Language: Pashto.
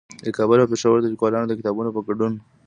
د کابل او پېښور د ليکوالانو د کتابونو په ګډون